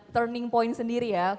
turning point sendiri ya